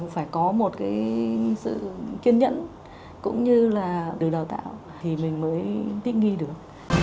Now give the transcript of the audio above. phải có một cái sự kiên nhẫn cũng như là được đào tạo thì mình mới thích nghi được